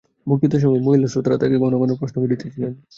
বক্তৃতার সময় মহিলা শ্রোতারা তাঁহাকে ঘন ঘন প্রশ্ন করিতেছিলেন।